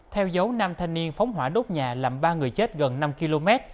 theo dấu nam thanh niên phóng hỏa đốt nhà làm ba người chết gần năm km